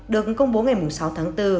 được công bố ngày sáu tháng bốn